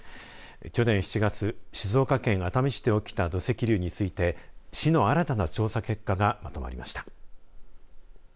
去年７月、静岡県熱海市で起きた土石流について市の新たな調査結果がまとまりました。